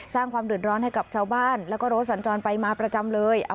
สร้างความเดือดร้อนให้กับชาวบ้านแล้วก็รถสัญจรไปมาประจำเลย